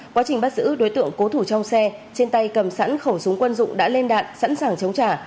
quá trình bắt giữ đối tượng cố thủ trong xe trên tay cầm sẵn khẩu súng quân dụng đã lên đạn sẵn sàng chống trả